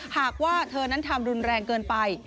หากว่าเธอนั้นทำรุนแรงเกินไป